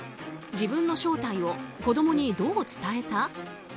「自分の正体を子供にどう伝えた？